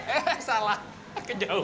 eh salah kejauhan